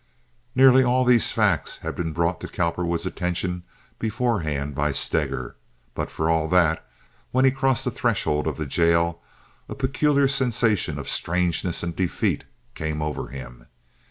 Nearly all of these facts had been brought to Cowperwood's attention beforehand by Steger; but for all that, when he crossed the threshold of the jail a peculiar sensation of strangeness and defeat came over him.